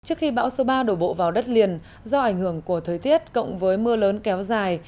trước khi bão số ba đổ bộ vào đất liền do ảnh hưởng của thời tiết cộng với mưa lớn kéo dài